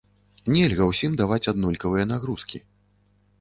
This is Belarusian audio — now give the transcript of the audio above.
Нельга ўсім даваць аднолькавыя нагрузкі.